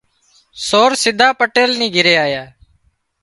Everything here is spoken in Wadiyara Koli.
سور سڌا پٽيل نِي گھري آيا